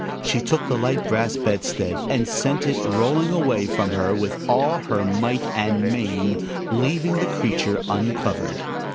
She took the light brass bedstead and sent it rolling away from her with all her might and main leaving the creature uncovered.